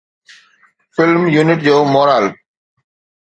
film unit جو moral